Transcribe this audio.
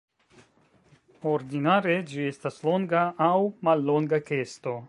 Ordinare ĝi estas longa aŭ mallonga kesto.